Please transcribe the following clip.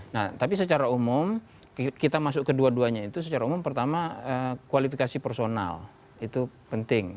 nah tapi secara umum kita masuk kedua duanya itu secara umum pertama kualifikasi personal itu penting